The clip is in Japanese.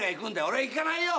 俺はいかないよ！